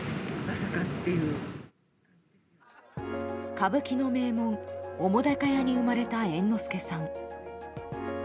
歌舞伎の名門・澤瀉屋に生まれた猿之助さん。